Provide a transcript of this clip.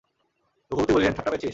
রঘুপতি বলিলেন, ঠাট্টা পেয়েছিস?